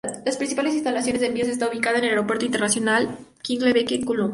La principal instalación de envíos está ubicada en el aeropuerto internacional Rickenbacker en Columbus.